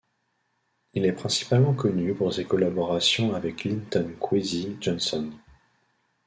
Il est principalement connu pour ses collaborations avec Linton Kwesi Johnson.